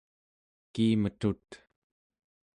kiimetut